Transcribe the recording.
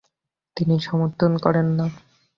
তিনি সমর্থন করেন না।